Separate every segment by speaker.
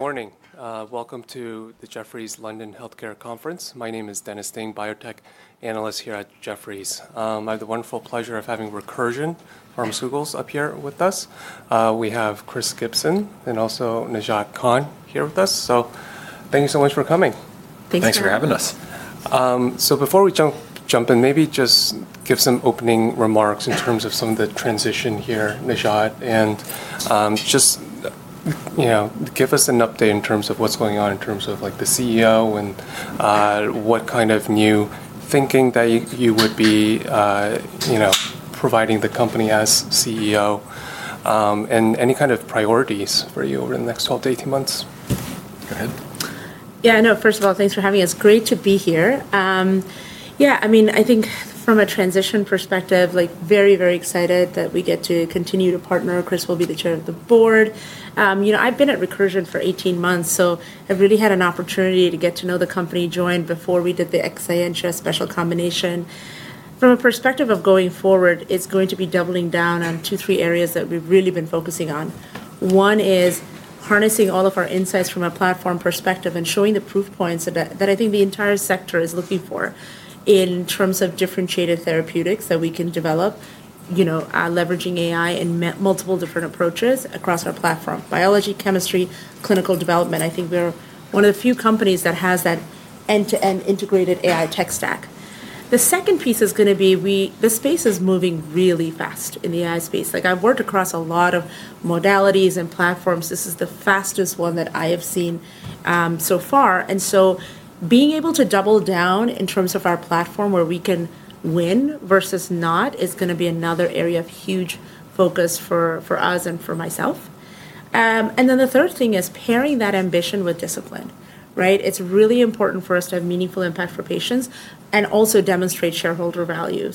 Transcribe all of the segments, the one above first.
Speaker 1: Morning. Welcome to the Jefferies London Healthcare Conference. My name is Dennis Ting, biotech analyst here at Jefferies. I have the wonderful pleasure of having Recursion Pharmaceuticals up here with us. We have Chris Gibson and also Najat Khan here with us. Thank you so much for coming.
Speaker 2: Thanks for having us.
Speaker 1: Before we jump in, maybe just give some opening remarks in terms of some of the transition here, Najat, and just give us an update in terms of what's going on in terms of the CEO and what kind of new thinking that you would be providing the company as CEO, and any kind of priorities for you over the next 12 to 18 months.
Speaker 2: Go ahead.
Speaker 3: Yeah, no, first of all, thanks for having us. Great to be here. Yeah, I mean, I think from a transition perspective, very, very excited that we get to continue to partner. Chris will be the chair of the board. I've been at Recursion for 18 months, so I've really had an opportunity to get to know the company and join before we did the Exscientia special combination. From a perspective of going forward, it's going to be doubling down on two, three areas that we've really been focusing on. One is harnessing all of our insights from a platform perspective and showing the proof points that I think the entire sector is looking for in terms of differentiated therapeutics that we can develop, leveraging AI and multiple different approaches across our platform: biology, chemistry, clinical development. I think we're one of the few companies that has that end-to-end integrated AI tech stack. The second piece is going to be the space is moving really fast in the AI space. I've worked across a lot of modalities and platforms. This is the fastest one that I have seen so far. Being able to double down in terms of our platform where we can win versus not is going to be another area of huge focus for us and for myself. The third thing is pairing that ambition with discipline. It's really important for us to have meaningful impact for patients and also demonstrate shareholder value.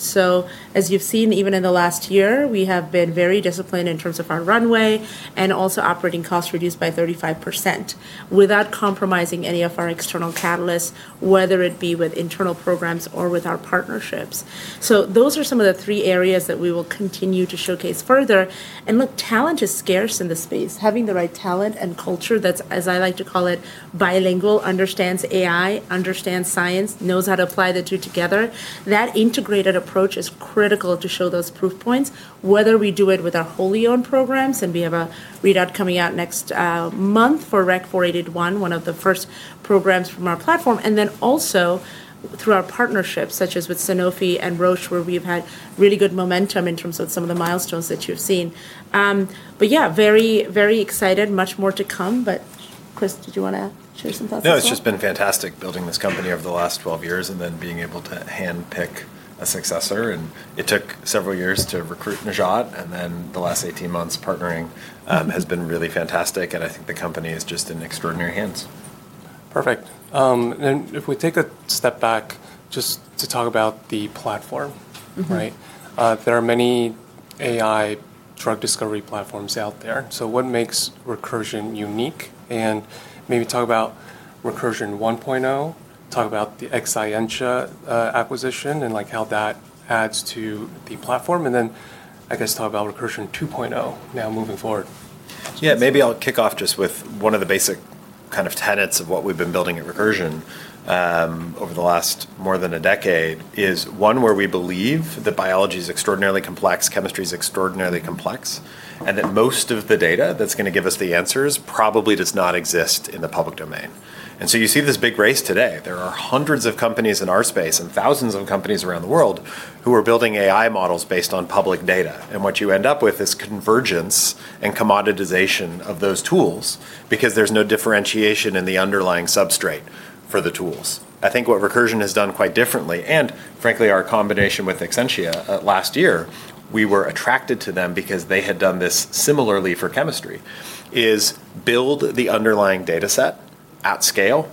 Speaker 3: As you've seen, even in the last year, we have been very disciplined in terms of our runway and also operating costs reduced by 35% without compromising any of our external catalysts, whether it be with internal programs or with our partnerships. Those are some of the three areas that we will continue to showcase further. Look, talent is scarce in this space. Having the right talent and culture that's, as I like to call it, bilingual, understands AI, understands science, knows how to apply the two together, that integrated approach is critical to show those proof points, whether we do it with our wholly owned programs. We have a readout coming out next month for REC-481, one of the first programs from our platform. Through our partnerships, such as with Sanofi and Roche, we have had really good momentum in terms of some of the milestones that you have seen. Yeah, very, very excited, much more to come. Chris, did you want to share some thoughts?
Speaker 2: No, it's just been fantastic building this company over the last 12 years and then being able to handpick a successor. It took several years to recruit Najat. The last 18 months partnering has been really fantastic. I think the company is just in extraordinary hands.
Speaker 1: Perfect. If we take a step back just to talk about the platform, right? There are many AI drug discovery platforms out there. What makes Recursion unique? Maybe talk about Recursion 1.0, talk about the Exscientia acquisition and how that adds to the platform. I guess talk about Recursion 2.0 now moving forward.
Speaker 2: Yeah, maybe I'll kick off just with one of the basic kind of tenets of what we've been building at Recursion over the last more than a decade is one where we believe that biology is extraordinarily complex, chemistry is extraordinarily complex, and that most of the data that's going to give us the answers probably does not exist in the public domain. You see this big race today. There are hundreds of companies in our space and thousands of companies around the world who are building AI models based on public data. What you end up with is convergence and commoditization of those tools because there's no differentiation in the underlying substrate for the tools. I think what Recursion has done quite differently, and frankly, our combination with Exscientia last year, we were attracted to them because they had done this similarly for chemistry, is build the underlying data set at scale,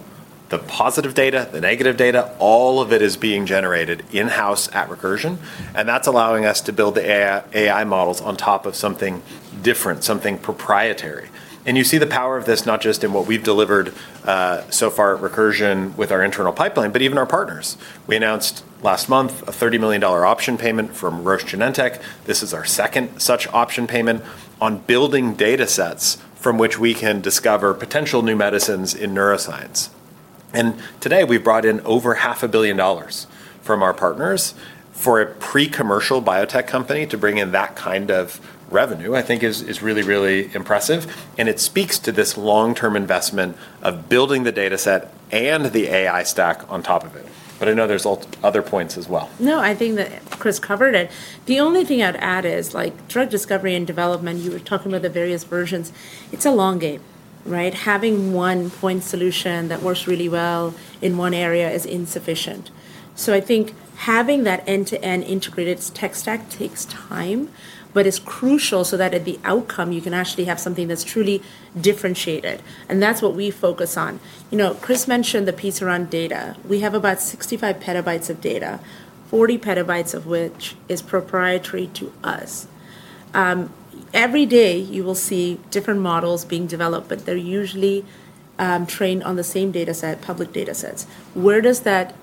Speaker 2: the positive data, the negative data, all of it is being generated in-house at Recursion. That is allowing us to build the AI models on top of something different, something proprietary. You see the power of this not just in what we have delivered so far at Recursion with our internal pipeline, but even our partners. We announced last month a $30 million option payment from Roche Genentech. This is our second such option payment on building data sets from which we can discover potential new medicines in neuroscience. Today we've brought in over $500,000,000 from our partners. For a pre-commercial biotech company to bring in that kind of revenue, I think is really, really impressive. It speaks to this long-term investment of building the data set and the AI stack on top of it. I know there's other points as well.
Speaker 3: No, I think that Chris covered it. The only thing I'd add is drug discovery and development, you were talking about the various versions, it's a long game, right? Having one point solution that works really well in one area is insufficient. I think having that end-to-end integrated tech stack takes time, but it's crucial so that at the outcome, you can actually have something that's truly differentiated. That's what we focus on. Chris mentioned the piece around data. We have about 65 petabytes of data, 40 petabytes of which is proprietary to us. Every day you will see different models being developed, but they're usually trained on the same data set, public data sets. Where does that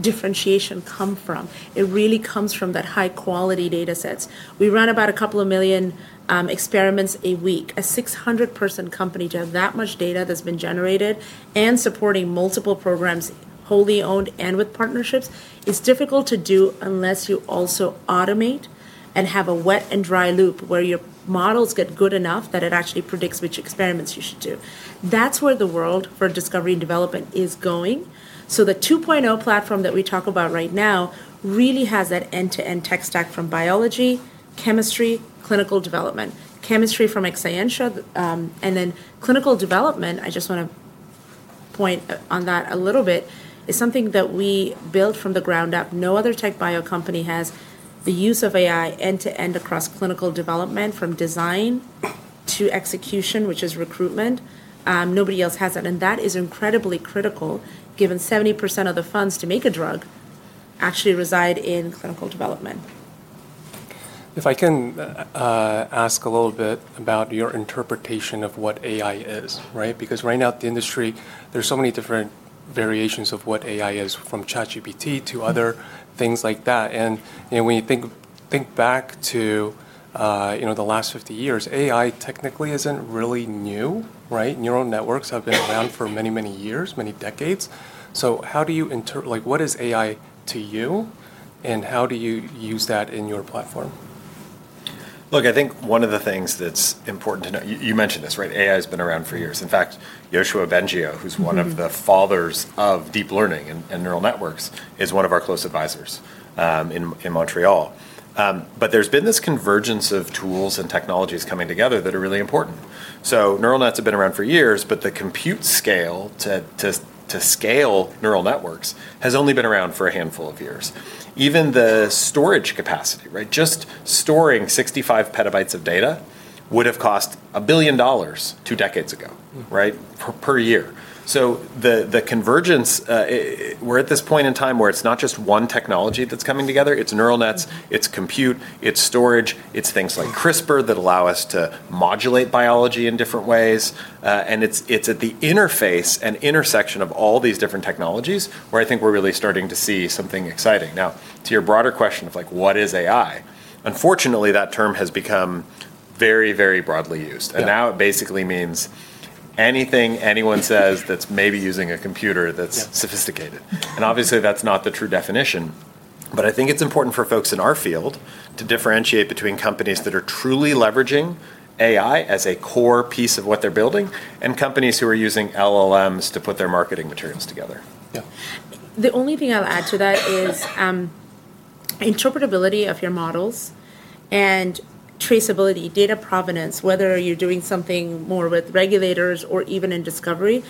Speaker 3: differentiation come from? It really comes from that high-quality data sets. We run about a couple of million experiments a week. A 600-person company to have that much data that's been generated and supporting multiple programs, wholly owned and with partnerships, is difficult to do unless you also automate and have a wet and dry loop where your models get good enough that it actually predicts which experiments you should do. That is where the world for discovery and development is going. The 2.0 platform that we talk about right now really has that end-to-end tech stack from biology, chemistry, clinical development, chemistry from Exscientia, and then clinical development. I just want to point on that a little bit. It is something that we built from the ground up. No other TechBio company has the use of AI end-to-end across clinical development from design to execution, which is recruitment. Nobody else has that. That is incredibly critical given 70% of the funds to make a drug actually reside in clinical development.
Speaker 1: If I can ask a little bit about your interpretation of what AI is, right? Because right now, the industry, there are so many different variations of what AI is, from ChatGPT to other things like that. When you think back to the last 50 years, AI technically is not really new, right? Neural networks have been around for many, many years, many decades. How do you interpret, what is AI to you? How do you use that in your platform?
Speaker 2: Look, I think one of the things that's important to know, you mentioned this, right? AI has been around for years. In fact, Yoshua Bengio, who's one of the fathers of deep learning and neural networks, is one of our close advisors in Montreal. There's been this convergence of tools and technologies coming together that are really important. Neural nets have been around for years, but the compute scale to scale neural networks has only been around for a handful of years. Even the storage capacity, right? Just storing 65 petabytes of data would have cost $1 billion two decades ago, right, per year. The convergence, we're at this point in time where it's not just one technology that's coming together. It's neural nets, it's compute, it's storage, it's things like CRISPR that allow us to modulate biology in different ways. It is at the interface and intersection of all these different technologies where I think we are really starting to see something exciting. Now, to your broader question of what is AI, unfortunately, that term has become very, very broadly used. Now it basically means anything anyone says that is maybe using a computer that is sophisticated. Obviously, that is not the true definition. I think it is important for folks in our field to differentiate between companies that are truly leveraging AI as a core piece of what they are building and companies who are using LLMs to put their marketing materials together.
Speaker 3: Yeah. The only thing I'll add to that is interpretability of your models and traceability, data provenance, whether you're doing something more with regulators or even in discovery.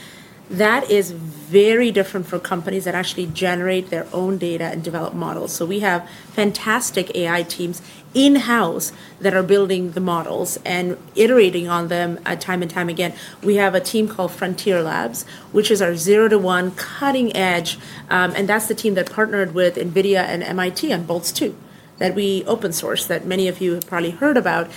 Speaker 3: That is very different for companies that actually generate their own data and develop models. We have fantastic AI teams in-house that are building the models and iterating on them time and time again. We have a team called Frontier Labs, which is our zero-to-one cutting edge. That is the team that partnered with NVIDIA and MIT and Boltz-2 that we open sourced, that many of you have probably heard about.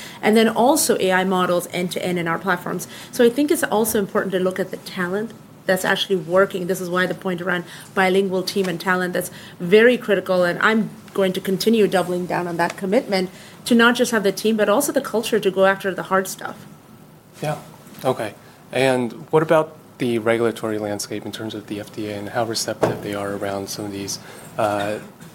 Speaker 3: Also, AI models end-to-end in our platforms. I think it's also important to look at the talent that's actually working. This is why the point around bilingual team and talent, that's very critical. I'm going to continue doubling down on that commitment to not just have the team, but also the culture to go after the hard stuff.
Speaker 1: Yeah. Okay. What about the regulatory landscape in terms of the FDA and how receptive they are around some of these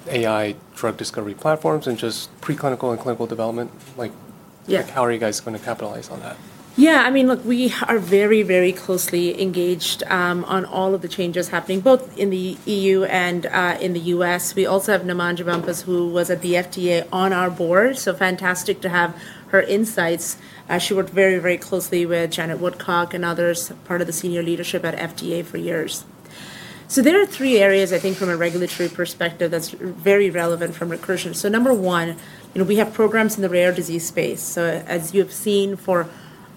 Speaker 1: AI drug discovery platforms and just preclinical and clinical development? How are you guys going to capitalize on that?
Speaker 3: Yeah. I mean, look, we are very, very closely engaged on all of the changes happening both in the EU and in the U.S. We also have Namandjé Bumpus, who was at the FDA, on our board. So fantastic to have her insights. She worked very, very closely with Janet Woodcock and others, part of the senior leadership at FDA for years. There are three areas, I think, from a regulatory perspective that's very relevant from Recursion. Number one, we have programs in the rare disease space. As you have seen for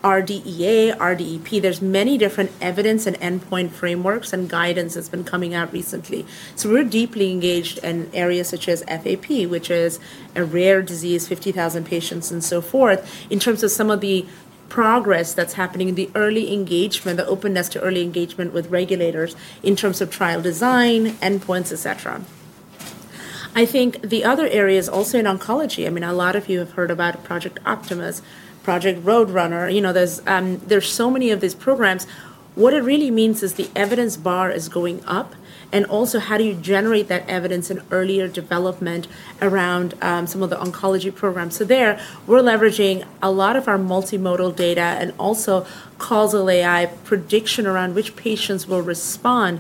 Speaker 3: RDEA, RDEP, there's many different evidence and endpoint frameworks and guidance that's been coming out recently. We're deeply engaged in areas such as FAP, which is a rare disease, 50,000 patients and so forth, in terms of some of the progress that's happening in the early engagement, the openness to early engagement with regulators in terms of trial design, endpoints, etc. I think the other area is also in oncology. I mean, a lot of you have heard about Project Optimus, Project Roadrunner. There are so many of these programs. What it really means is the evidence bar is going up. Also, how do you generate that evidence in earlier development around some of the oncology programs? There, we're leveraging a lot of our multimodal data and also causal AI prediction around which patients will respond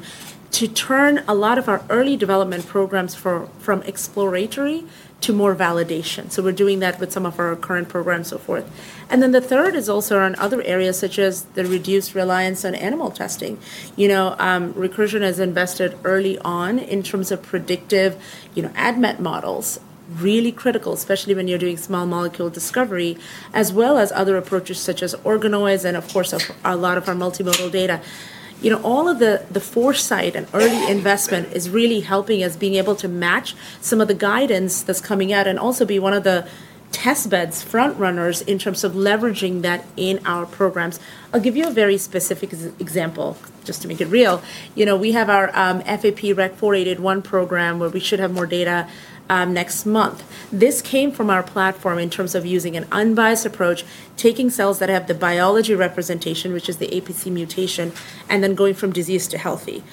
Speaker 3: to turn a lot of our early development programs from exploratory to more validation. We're doing that with some of our current programs and so forth. The third is also around other areas such as the reduced reliance on animal testing. Recursion has invested early on in terms of predictive ADMET models, really critical, especially when you're doing small molecule discovery, as well as other approaches such as organoids and, of course, a lot of our multimodal data. All of the foresight and early investment is really helping us be able to match some of the guidance that's coming out and also be one of the testbeds, front runners in terms of leveraging that in our programs. I'll give you a very specific example just to make it real. We have our FAP REC-481 program where we should have more data next month. This came from our platform in terms of using an unbiased approach, taking cells that have the biology representation, which is the APC mutation, and then going from disease to healthy.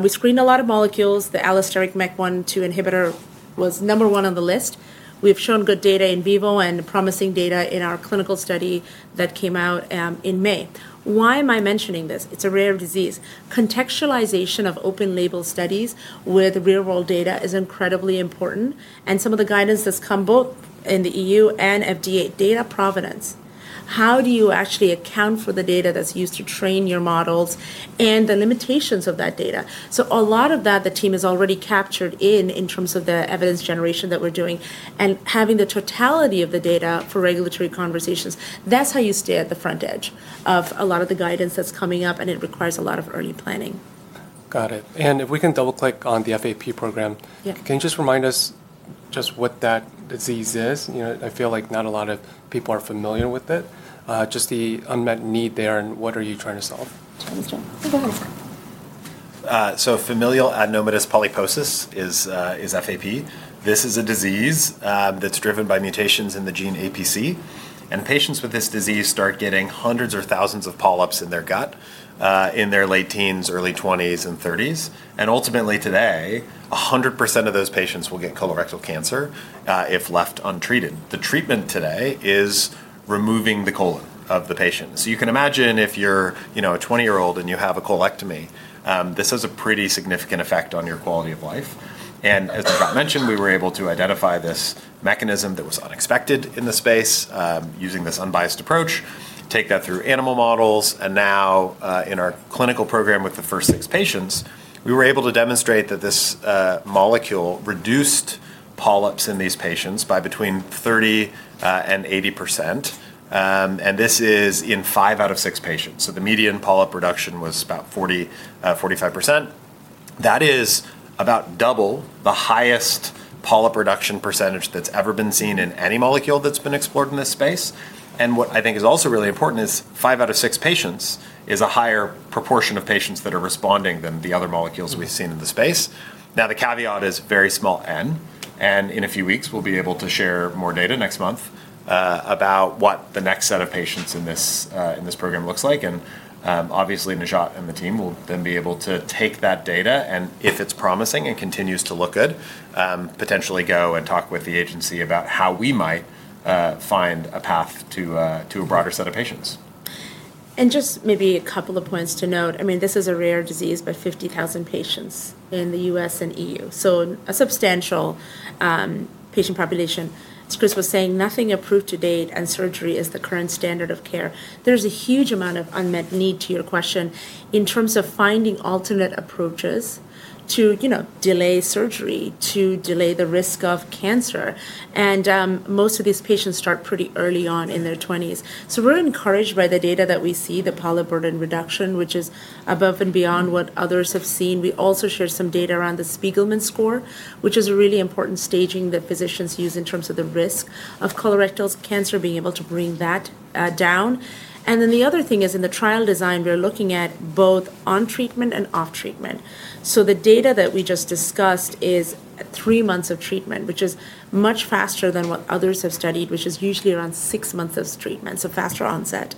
Speaker 3: We screened a lot of molecules. The allosteric MEK1/2 inhibitor was number one on the list. We have shown good data in vivo and promising data in our clinical study that came out in May. Why am I mentioning this? It's a rare disease. Contextualization of open label studies with real-world data is incredibly important. Some of the guidance that's come both in the EU and FDA, data provenance. How do you actually account for the data that's used to train your models and the limitations of that data? A lot of that the team has already captured in terms of the evidence generation that we're doing and having the totality of the data for regulatory conversations. That's how you stay at the front edge of a lot of the guidance that's coming up, and it requires a lot of early planning.
Speaker 1: Got it. If we can double-click on the FAP program, can you just remind us just what that disease is? I feel like not a lot of people are familiar with it. Just the unmet need there and what are you trying to solve?
Speaker 2: Familial Adenomatous Polyposis is FAP. This is a disease that's driven by mutations in the gene APC. Patients with this disease start getting hundreds or thousands of polyps in their gut in their late teens, early 20s, and 30s. Ultimately today, 100% of those patients will get colorectal cancer if left untreated. The treatment today is removing the colon of the patient. You can imagine if you're a 20-year-old and you have a colectomy, this has a pretty significant effect on your quality of life. As I've mentioned, we were able to identify this mechanism that was unexpected in the space using this unbiased approach, take that through animal models. Now in our clinical program with the first six patients, we were able to demonstrate that this molecule reduced polyps in these patients by between 30-80%. This is in five out of six patients. The median polyp reduction was about 40-45%. That is about double the highest polyp reduction percentage that has ever been seen in any molecule that has been explored in this space. What I think is also really important is five out of six patients is a higher proportion of patients that are responding than the other molecules we have seen in the space. The caveat is very small n. In a few weeks, we will be able to share more data next month about what the next set of patients in this program looks like. Obviously, Najat and the team will then be able to take that data, and if it is promising and continues to look good, potentially go and talk with the agency about how we might find a path to a broader set of patients.
Speaker 3: Just maybe a couple of points to note. I mean, this is a rare disease by 50,000 patients in the U.S. and EU. So a substantial patient population. Chris was saying nothing approved to date and surgery is the current standard of care. There's a huge amount of unmet need to your question in terms of finding alternate approaches to delay surgery, to delay the risk of cancer. Most of these patients start pretty early on in their 20s. We are encouraged by the data that we see, the polyp burden reduction, which is above and beyond what others have seen. We also share some data around the Spiegelman score, which is a really important staging that physicians use in terms of the risk of colorectal cancer, being able to bring that down. The other thing is in the trial design, we're looking at both on treatment and off treatment. The data that we just discussed is three months of treatment, which is much faster than what others have studied, which is usually around six months of treatment, so faster onset.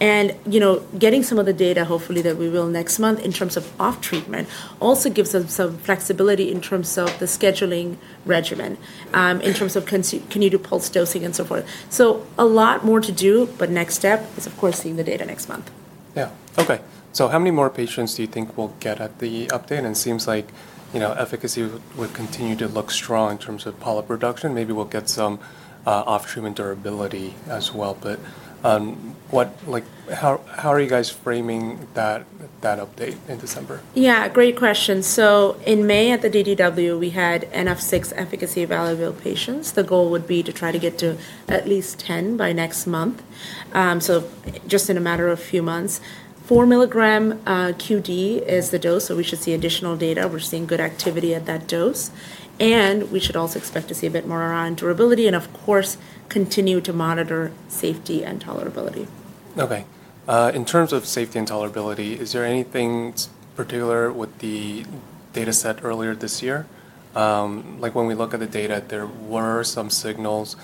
Speaker 3: Getting some of the data, hopefully, that we will next month in terms of off treatment also gives us some flexibility in terms of the scheduling regimen, in terms of can you do pulse dosing and so forth. A lot more to do, but next step is, of course, seeing the data next month.
Speaker 1: Yeah. Okay. So how many more patients do you think we'll get at the update? It seems like efficacy would continue to look strong in terms of polyp reduction. Maybe we'll get some off treatment durability as well. How are you guys framing that update in December?
Speaker 3: Yeah. Great question. In May at the DDW, we had NF6 efficacy available patients. The goal would be to try to get to at least 10 by next month. Just in a matter of a few months, 4 mg QD is the dose. We should see additional data. We're seeing good activity at that dose. We should also expect to see a bit more around durability and, of course, continue to monitor safety and tolerability.
Speaker 1: Okay. In terms of safety and tolerability, is there anything particular with the data set earlier this year? When we look at the data, there were some signals,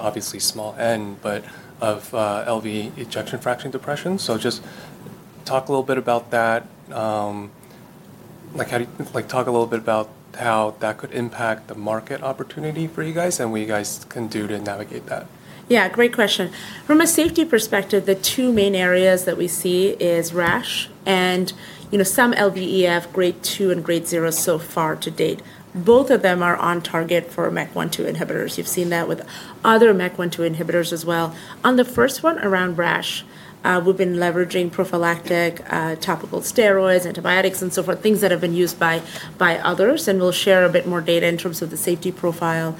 Speaker 1: obviously small n, but of LVEF depression. Just talk a little bit about that. Talk a little bit about how that could impact the market opportunity for you guys and what you guys can do to navigate that.
Speaker 3: Yeah. Great question. From a safety perspective, the two main areas that we see is rash and some LVEF grade 2 and grade 0 so far to date. Both of them are on target for MEK1/2 inhibitors. You've seen that with other MEK1/2 inhibitors as well. On the first one around rash, we've been leveraging prophylactic topical steroids, antibiotics, and so forth, things that have been used by others. We'll share a bit more data in terms of the safety profile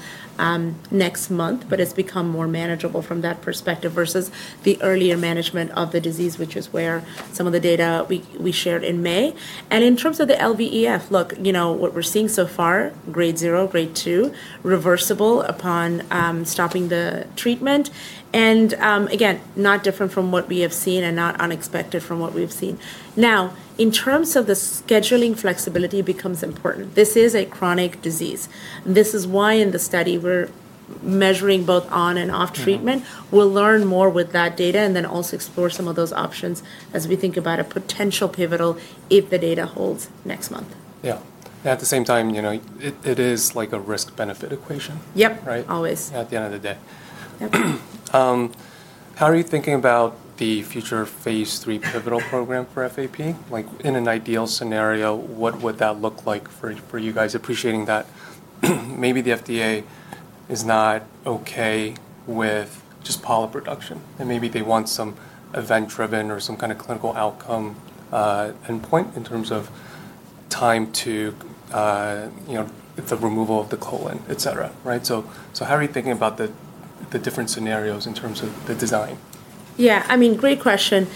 Speaker 3: next month, but it's become more manageable from that perspective versus the earlier management of the disease, which is where some of the data we shared in May. In terms of the LVEF, look, what we're seeing so far, grade 0, grade 2, reversible upon stopping the treatment. Again, not different from what we have seen and not unexpected from what we've seen. Now, in terms of the scheduling flexibility, it becomes important. This is a chronic disease. This is why in the study we're measuring both on and off treatment. We'll learn more with that data and then also explore some of those options as we think about a potential pivotal if the data holds next month.
Speaker 1: Yeah. At the same time, it is like a risk-benefit equation.
Speaker 3: Yep. Always.
Speaker 1: At the end of the day, how are you thinking about the future phase three pivotal program for FAP? In an ideal scenario, what would that look like for you guys? Appreciating that maybe the FDA is not okay with just polyp reduction and maybe they want some event-driven or some kind of clinical outcome endpoint in terms of time to the removal of the colon, etc. Right? How are you thinking about the different scenarios in terms of the design?
Speaker 3: Yeah. I mean, great question.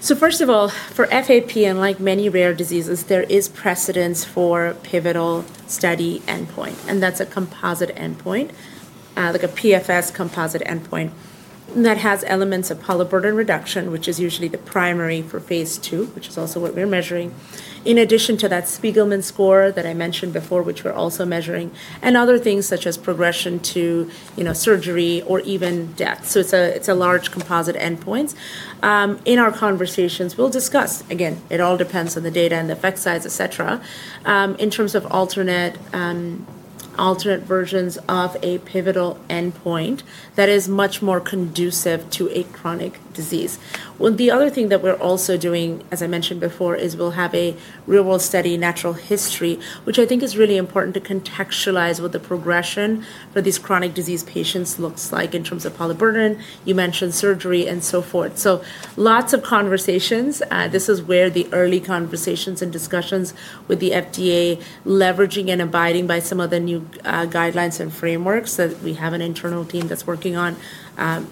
Speaker 3: First of all, for FAP and like many rare diseases, there is precedence for pivotal study endpoint. That is a composite endpoint, like a PFS composite endpoint that has elements of polyp burden reduction, which is usually the primary for phase two, which is also what we're measuring. In addition to that Spiegelman score that I mentioned before, which we're also measuring, and other things such as progression to surgery or even death. It is a large composite endpoint. In our conversations, we'll discuss, again, it all depends on the data and the effect size, etc., in terms of alternate versions of a pivotal endpoint that is much more conducive to a chronic disease. The other thing that we're also doing, as I mentioned before, is we'll have a real-world study, natural history, which I think is really important to contextualize what the progression for these chronic disease patients looks like in terms of polyp burden. You mentioned surgery and so forth. Lots of conversations. This is where the early conversations and discussions with the FDA, leveraging and abiding by some of the new guidelines and frameworks that we have an internal team that's working on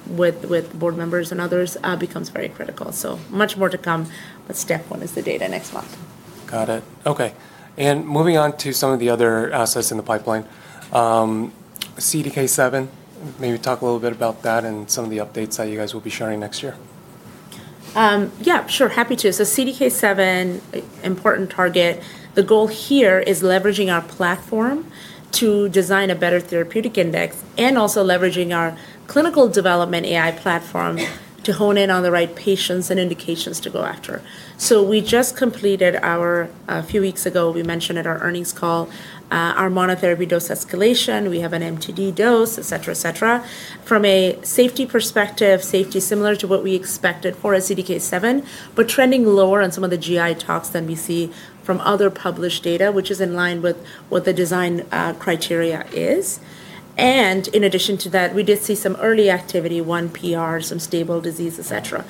Speaker 3: with board members and others, becomes very critical. Much more to come, but step one is the data next month.
Speaker 1: Got it. Okay. Moving on to some of the other assets in the pipeline, CDK7, maybe talk a little bit about that and some of the updates that you guys will be sharing next year.
Speaker 3: Yeah. Sure. Happy to. CDK7, important target. The goal here is leveraging our platform to design a better therapeutic index and also leveraging our clinical development AI platform to hone in on the right patients and indications to go after. We just completed our, a few weeks ago, we mentioned at our earnings call, our monotherapy dose escalation. We have an MTD dose, etc., etc. From a safety perspective, safety similar to what we expected for a CDK7, but trending lower on some of the GI tox than we see from other published data, which is in line with what the design criteria is. In addition to that, we did see some early activity, one PR, some stable disease, etc.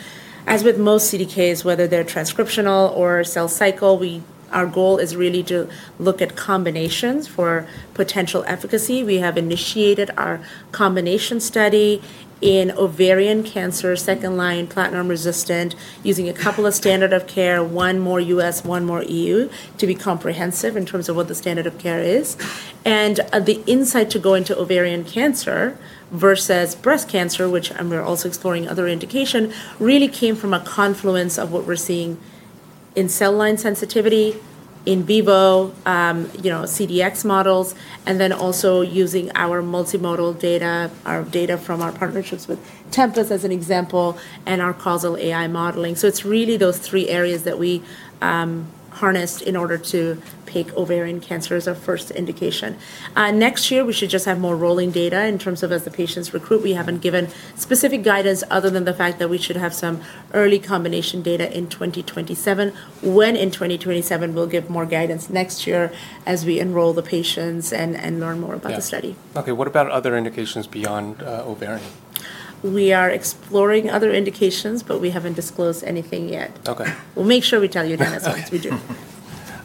Speaker 3: As with most CDKs, whether they're transcriptional or cell cycle, our goal is really to look at combinations for potential efficacy. We have initiated our combination study in ovarian cancer, second line, platinum resistant, using a couple of standard of care, one more US, one more EU, to be comprehensive in terms of what the standard of care is. The insight to go into ovarian cancer versus breast cancer, which we're also exploring other indication, really came from a confluence of what we're seeing in cell line sensitivity, in vivo, CDX models, and then also using our multimodal data, our data from our partnerships with Tempus as an example, and our causal AI modeling. It is really those three areas that we harnessed in order to pick ovarian cancer as our first indication. Next year, we should just have more rolling data in terms of as the patients recruit. We haven't given specific guidance other than the fact that we should have some early combination data in 2027. When in 2027, we'll give more guidance next year as we enroll the patients and learn more about the study.
Speaker 1: Okay. What about other indications beyond ovarian?
Speaker 3: We are exploring other indications, but we haven't disclosed anything yet. We'll make sure we tell you then as soon as we do.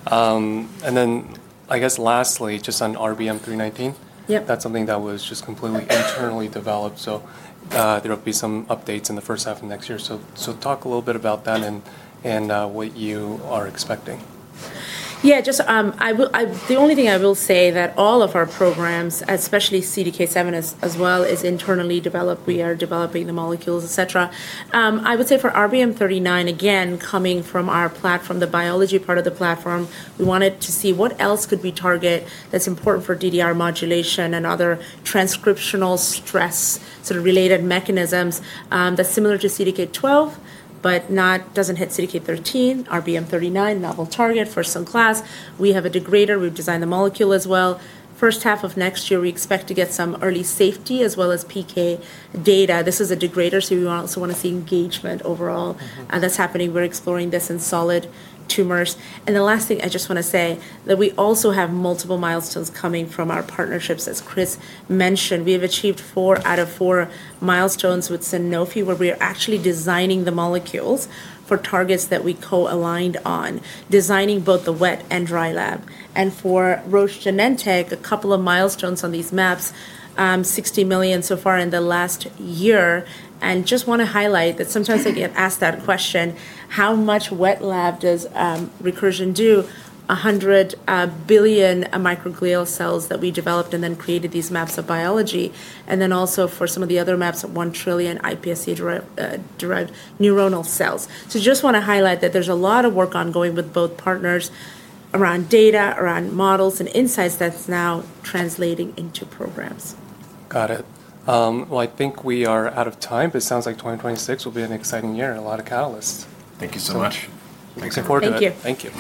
Speaker 1: I guess lastly, just on RBM39, that's something that was just completely internally developed. There will be some updates in the first half of next year. Talk a little bit about that and what you are expecting.
Speaker 3: Yeah. The only thing I will say is that all of our programs, especially CDK7 as well, is internally developed. We are developing the molecules, etc. I would say for RBM39, again, coming from our platform, the biology part of the platform, we wanted to see what else could we target that's important for DDR modulation and other transcriptional stress sort of related mechanisms that's similar to CDK12, but does not hit CDK13. RBM39, novel target, first in class. We have a degrader. We have designed the molecule as well. First half of next year, we expect to get some early safety as well as PK data. This is a degrader. We also want to see engagement overall that's happening. We are exploring this in solid tumors. The last thing I just want to say is that we also have multiple milestones coming from our partnerships. As Chris mentioned, we have achieved four out of four milestones with Synovi, where we are actually designing the molecules for targets that we co-aligned on, designing both the wet and dry lab. For Roche Genentech, a couple of milestones on these maps, $60 million so far in the last year. I just want to highlight that sometimes I get asked that question, how much wet lab does Recursion do? 100 billion microglial cells that we developed and then created these maps of biology. Also for some of the other maps, 1 trillion iPSC-derived neuronal cells. I just want to highlight that there is a lot of work ongoing with both partners around data, around models, and insights that is now translating into programs.
Speaker 1: Got it. I think we are out of time, but it sounds like 2026 will be an exciting year and a lot of catalysts.
Speaker 2: Thank you so much.
Speaker 1: Thanks for coming.
Speaker 3: Thank you.